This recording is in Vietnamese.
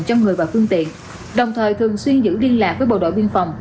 thường xuyên giữ liên lạc với bộ đội biên phòng